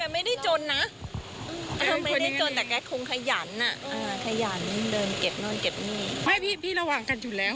เป็นิติบุคคลอยู่เบื่อปลุกไปแล้วก็ต้อง